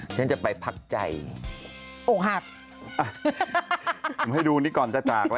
เพิ่งไปทะเลมาไปอีกแล้ว